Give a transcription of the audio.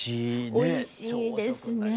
おいしいですね。